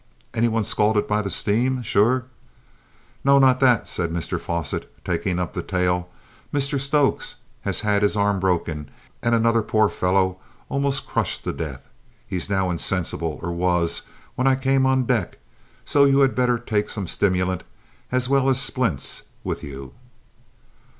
Any one scalded by the shtame, sure?" "No, not that," said Mr Fosset, taking up the tale. "Mr Stokes has had his arm broken and another poor fellow been almost crushed to death. He's now insensible, or was when I came on deck so you'd better take some stimulant as well as splints with you."